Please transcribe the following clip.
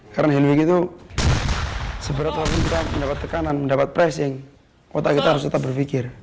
karena helwig itu seberat waktu kita mendapat tekanan mendapat pressing otak kita harus tetap berpikir